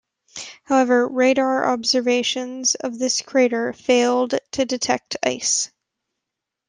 However, radar observations of this crater failed to detect ice.